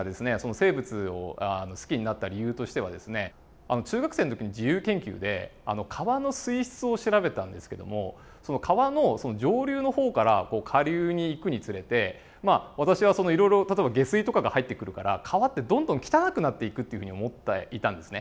生物を好きになった理由としてはですね中学生の時に自由研究で川の水質を調べたんですけども川の上流の方から下流に行くにつれてまあ私はそのいろいろ例えば下水とかが入ってくるから川ってどんどん汚くなっていくっていうふうに思っていたんですね。